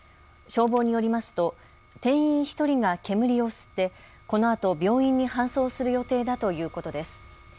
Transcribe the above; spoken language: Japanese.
消防によりますと店員１人が煙を吸ってこのあと病院に搬送する予定だということです。